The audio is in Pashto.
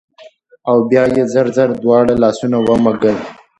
او بيا يې زر زر دواړه لاسونه ومږل